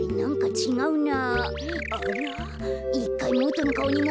ちがうな。